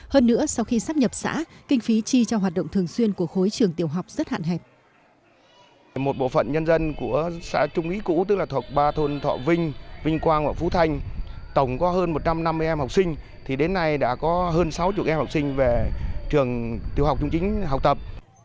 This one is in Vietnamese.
hơn nữa sau khi sắp nhập xã kinh phí chi cho hoạt động thường xuyên của khối trường tiểu học rất hạn hẹp